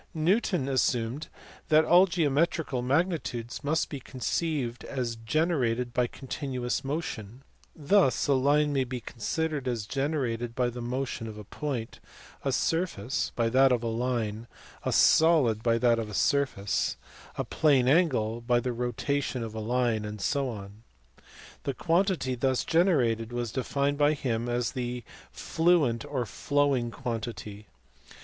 Newton assumed that all geometrical mag nitudes might be conceived as generated by continuous motion; thus a line may be considered as generated by the motion of a point, a surface by that of a line, a solid by that of a surface, 350 THE LIFE AND WORKS OF NEWTON. j. fc a plane angle by the rotation of a line, and so on. The quantity thus generated was denned by him as the fluent or flowing quantity.